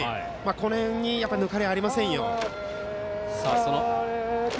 この辺にぬかりはありませんよ。